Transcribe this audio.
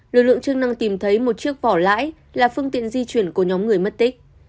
lực lượng chức năng tìm thấy một chiếc vỏ lãi là phương tiện di chuyển của nhóm người mất tích